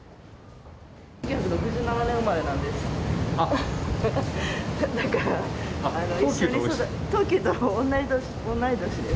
１９６７年生まれなんです。